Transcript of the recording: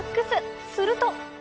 すると。